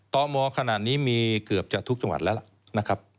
ตมขนาดนี้มีเกือบจะทุกจังหวัดแล้วล่ะนะครับ